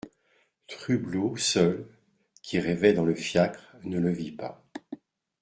Trublot seul, qui rêvait dans le fiacre, ne le vit pas.